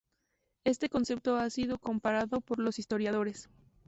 Este concepto ha sido comparado por los historiadores.